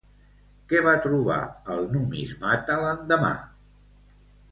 Què va trobar el numismata l'endemà?